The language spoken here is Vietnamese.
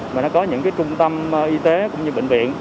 mà nó có những trung tâm y tế cũng như bệnh viện